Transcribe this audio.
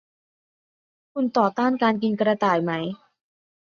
"คุณต่อต้านการกินกระต่ายไหม ?"